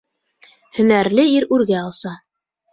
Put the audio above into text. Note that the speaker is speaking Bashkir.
Һөнәрле ир үргә оса